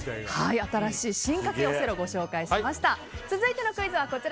新しい進化形オセロご紹介しました。